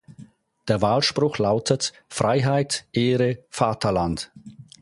Der Wahlspruch lautet Freiheit, Ehre, Vaterland.